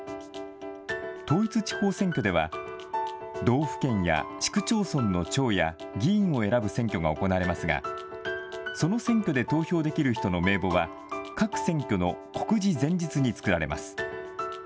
統一地方選挙では道府県や市区町村の長や議員を選ぶ選挙が行われますが、その選挙で投票できる人の名簿は各選挙の告示前日に作られます。